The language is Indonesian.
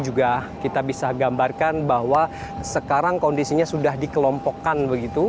juga kita bisa gambarkan bahwa sekarang kondisinya sudah dikelompokkan begitu